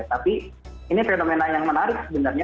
tapi ini fenomena yang menarik sebenarnya